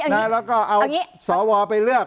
แล้วก็เอาสวไปเลือก